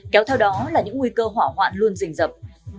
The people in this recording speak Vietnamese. kéo theo đó là những nguy cơ hỏa hoạn luôn rình rập